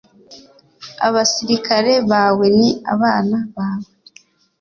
abasirikare bawe ni abana bawe